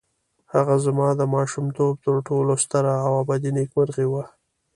هغه زما د ماشومتوب تر ټولو ستره او ابدي نېکمرغي وه.